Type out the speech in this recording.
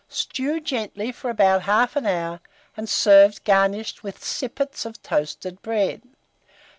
Stew gently for about 1/2 hour, and serve garnished with sippets of toasted bread.